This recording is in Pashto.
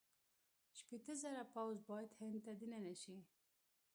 شپېته زره پوځ باید هند ته دننه شي.